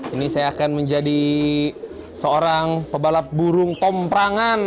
ini saya akan menjadi seorang pebalap burung komprangan